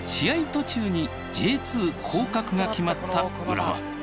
途中にＪ２降格が決まった浦和。